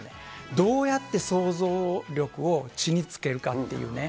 どうやって想像力を地につけるかっていうね。